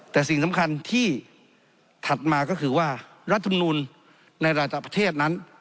แต่สิ่งสำคัญที่ถัดมาก็คือว่ารัฐมนูลในระดับประเทศนั้น